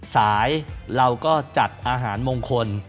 สายเราก็จัดอาหารมงคล